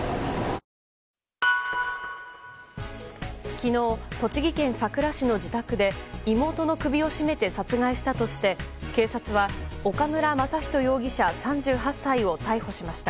昨日、栃木県さくら市の自宅で妹の首を絞めて殺害したとして警察は岡村真仁容疑者、３８歳を逮捕しました。